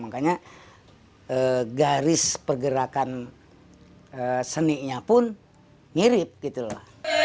makanya garis pergerakan seninya pun mirip gitu loh